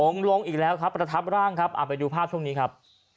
ลงอีกแล้วครับประทับร่างครับเอาไปดูภาพช่วงนี้ครับ